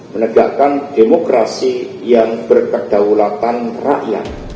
menegakkan demokrasi yang berkedaulatan rakyat